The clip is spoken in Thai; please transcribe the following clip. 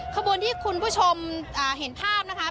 ขบวนที่คุณผู้ชมเห็นภาพนะคะ